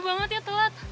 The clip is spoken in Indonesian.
maaf banget ya telat